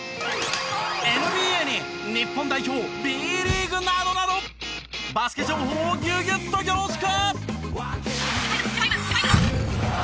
ＮＢＡに日本代表Ｂリーグなどなどバスケ情報をぎゅぎゅっと凝縮！